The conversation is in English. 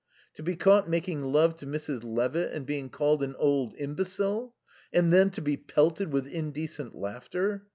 To be caught making love to Mrs. Levitt and being called an old imbecile! And then to be pelted with indecent laughter.